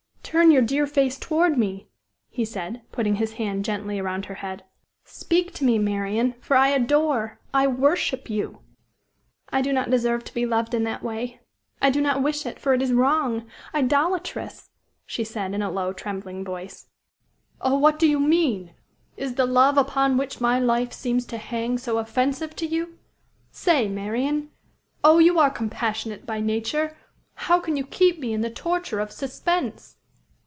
Turn your dear face toward me," he said, putting his hand gently around her head. "Speak to me, Marian, for I adore I worship you!" "I do not deserve to be loved in that way. I do not wish it, for it is wrong idolatrous," she said, in a low, trembling voice. "Oh! what do you mean? Is the love upon which my life seems to hang so offensive to you? Say, Marian! Oh! you are compassionate by nature; how can you keep me in the torture of suspense?"